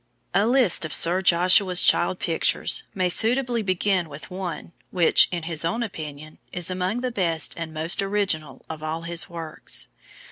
A list of Sir Joshua's child pictures may suitably begin with one which, in his own opinion, is among the best and most original of all his works.